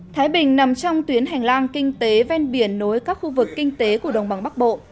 thái bình nằm trong tuyến hành lang kinh tế ven biển nối các khu vực kinh tế của đồng bằng bắc bộ